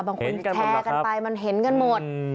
บางคนแชร์กันไปมันเห็นกันหมด